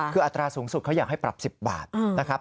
คืออัตราสูงสุดเขาอยากให้ปรับ๑๐บาทนะครับ